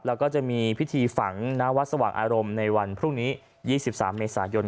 แล้วก็จะมีพิธีฝังณวัดสว่างอารมณ์ในวันพรุ่งนี้๒๓เมษายน